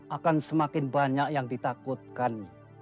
akan semakin banyak yang ditakutkan